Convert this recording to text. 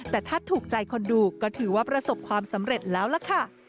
แต่ถ้าถูกใจคนดูก็ถือว่าประสบความสำเร็จแล้วล่ะค่ะ